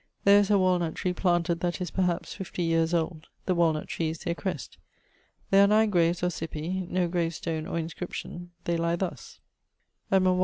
There is a walnut tree planted, that is, perhaps, 50 yeares old: (the walnut tree is their crest.) There are nine graves or cippi, no gravestone or inscription. They lye thus: [Illustration: _Edm.